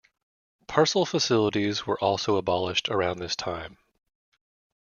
Parcel facilities were also abolished around this time.